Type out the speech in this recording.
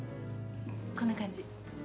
こんな感じ。